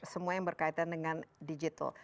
semua yang berkaitan dengan digital